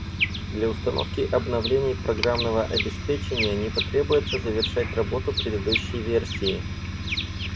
Для установки обновлений программного обеспечения не потребуется завершать работу предыдущей версии